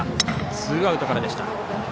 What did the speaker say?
ツーアウトからでした。